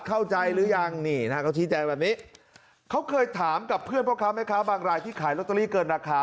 เข้าใจหรือยังนี่นะฮะเขาชี้แจงแบบนี้เขาเคยถามกับเพื่อนพ่อค้าแม่ค้าบางรายที่ขายลอตเตอรี่เกินราคา